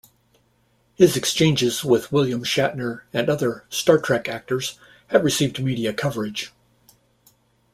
His exchanges with William Shatner and other "Star Trek" actors have received media coverage.